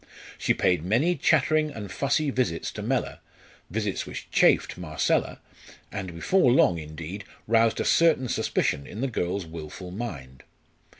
She paid many chattering and fussy visits to Mellor visits which chafed Marcella and before long, indeed, roused a certain suspicion in the girl's wilful mind.